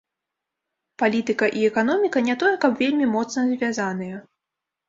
Палітыка і эканоміка не тое каб вельмі моцна звязаныя.